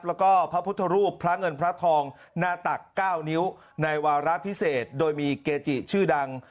แล้วก็พระพุทธรูปพระเงินพระทองหน้าตัก๙นิ้วในวาระพิเศษโดยมีเกจิชื่อดัง